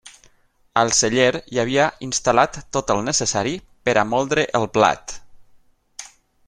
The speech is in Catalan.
Al celler hi havia instal·lat tot el necessari per a moldre el blat.